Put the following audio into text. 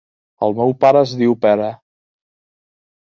El meu pare es diu Pere.